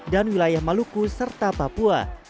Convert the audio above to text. dan wilayah maluku serta papua